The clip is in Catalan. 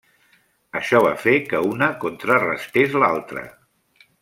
Això va fer que una contrarestés l'altra.